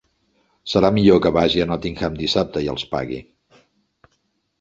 Serà millor que vagi a Nottingham dissabte i els pagui.